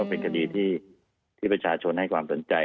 เป็นคดีที่ประชาชนให้ความสนใจ